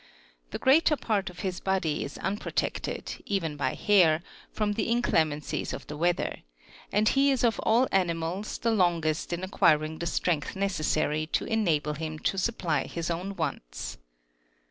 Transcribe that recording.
The greater part of his body is unprotected, even by hair, from the inclemencies of the weather, and he is of all animals, the longest in acquiring the strength necessary to enable him to supply his own wants.